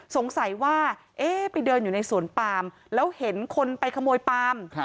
สงสัยว่าเอ๊ะไปเดินอยู่ในสวนปามแล้วเห็นคนไปขโมยปาล์ม